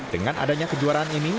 dengan adanya kejuaraan ini